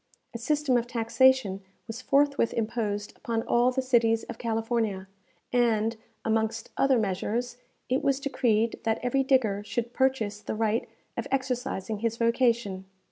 A system of taxation was forthwith imposed upon all the cities of California, and, amongst other measures, it was decreed that every digger should purchase the right of exercising his vocation.